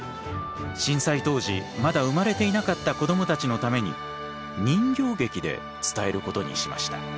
震災当時まだ生まれていなかった子どもたちのために人形劇で伝えることにしました。